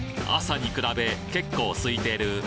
朝に比べ結構空いてる。